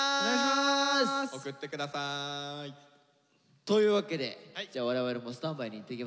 送ってください。というわけでじゃあ我々もスタンバイに行ってきます。